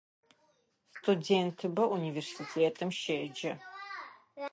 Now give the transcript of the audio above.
Студентыбэ унивэрситэтым щеджэ.